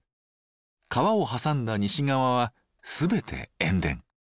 川を挟んだ西側は全て塩田。